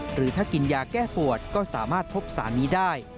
หรือถ้ากินยาแก้ปวดก็สามารถพบสารนี้ได้